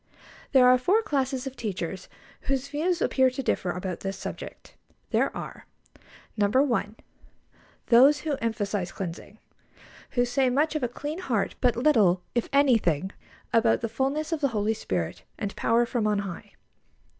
There are four classes of teachers whose views appear to differ about this subject. There are: 1. Those who emphasise cleansing; who say much of a clean heart, but little, if anything, about the fullness of the Holy Spirit and power from on High.